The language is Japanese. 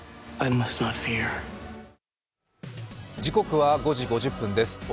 時刻は５時５０分です。